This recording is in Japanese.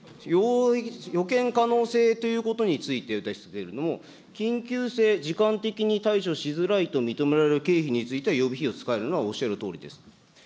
予見可能性ということについてですけれども、緊急性、時間的に対処しづらいと認められる経費については予備費を使えるというのはおっしゃるとおりです。